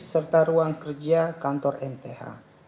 serta ruang kerja kantor mth